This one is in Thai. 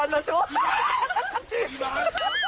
มึงกลับข้าวปากก่อน